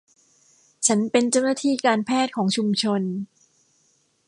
ฉันเป็นเจ้าหน้าที่การแพทย์ของชุมชน